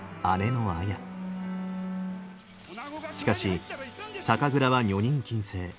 しかし酒蔵は女人禁制。